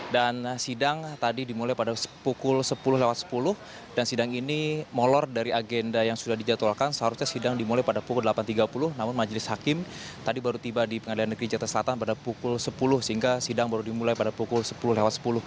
dan sidang tadi dimulai pada pukul sepuluh lewat sepuluh dan sidang ini molor dari agenda yang sudah dijadwalkan seharusnya sidang dimulai pada pukul delapan tiga puluh namun majelis hakim tadi baru tiba di pengadilan negeri jatah selatan pada pukul sepuluh sehingga sidang baru dimulai pada pukul sepuluh lewat sepuluh